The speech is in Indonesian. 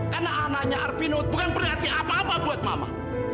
karena anaknya arpino bukan berarti apa apa buat mama